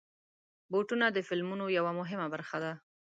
بوټونه د فلمونو یوه مهمه برخه ده.